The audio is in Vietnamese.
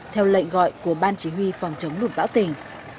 theo lệnh gọi của ban chỉ huy phòng chống lụt bão tỉnh